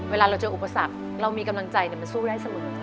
เวลาเราเจออุปสรรคเรามีกำลังใจแต่มันสู้ได้เสมอ